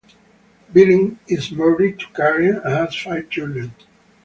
Billings is married to Karen and has five children.